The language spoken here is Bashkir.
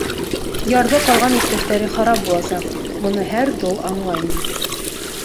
Ярҙа ҡалған иптәштәре харап буласаҡ, быны һәр дол андай ине.